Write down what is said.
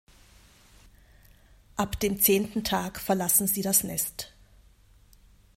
Ab dem zehnten Tag verlassen sie das Nest.